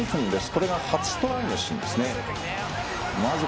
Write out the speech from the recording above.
これが初トライのシーンですね。